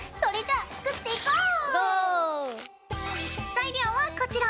材料はこちら！